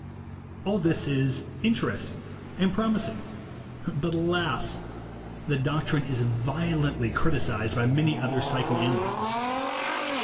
All this is interesting and promising. But alas! The doctrine is violently criticized by many other psychoanalysts.